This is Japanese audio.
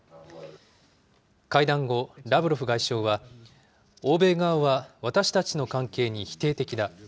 会談後、ラブロフ外相は、欧米側は私たちの関係に否定的だ。